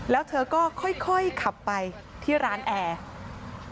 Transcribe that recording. แล้วเธอก็ค่อยขับไปที่ร้านแอร์